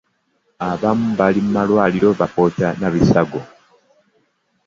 Abamu bali mu malwaliro bapooca na bisago.